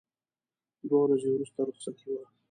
دوه ورځې وروسته رخصتي وه.